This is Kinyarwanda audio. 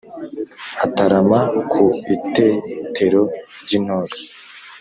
Atarama ku Itetero ry'intore